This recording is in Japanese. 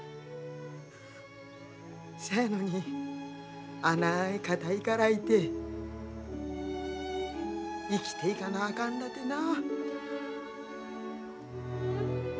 そやのにあない肩いからいて生きていかなあかんらてな。